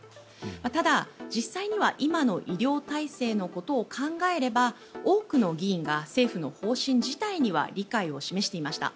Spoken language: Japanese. ただ、実際には今の医療体制のことを考えれば多くの議員が政府の方針自体には理解を示していました。